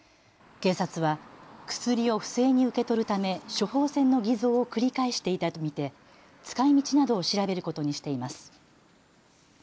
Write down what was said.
警察は薬を不正に受け取るため処方箋の偽造を繰り返していたと見て使いみちなどを調べることにしています。